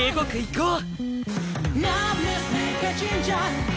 こう！